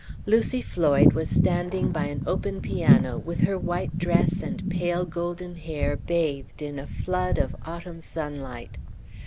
Lucy Floyd was standing by an open piano, with her white dress and pale golden hair bathed in a flood of autumn sunlight.